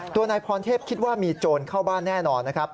นายพรเทพคิดว่ามีโจรเข้าบ้านแน่นอนนะครับ